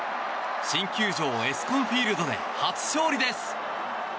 新球場エスコンフィールドで初勝利です。